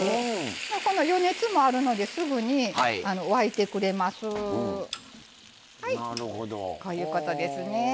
余熱もあるので、すぐに沸いてくれます。